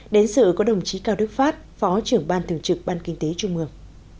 bởi có đồng chí cao đức phát phó trưởng ban thường trực ban kinh tế trung ương